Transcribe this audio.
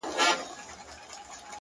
o د ملا لوري نصيحت مه كوه ،